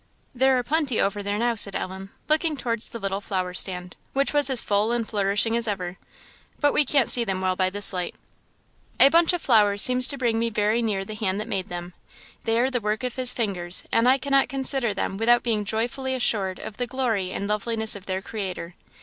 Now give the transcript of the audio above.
"There are plenty over there now," said Ellen, looking towards the little flower stand, which was as full and flourishing as ever; "but we can't see them well by this light." "A bunch of flowers seems to bring me very near the hand that made them. They are the work of His fingers; and I cannot consider them without being joyfully assured of the glory and loveliness of their Creator.